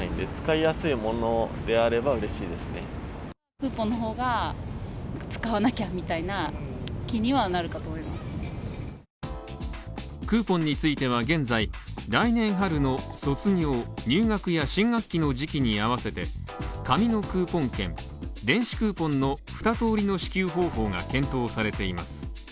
クーポンでの支給について街の人はクーポンについては現在、来年春の卒業入学や新学期の時期に合わせて紙のクーポン券電子クーポンの２通りの支給方法が検討されています。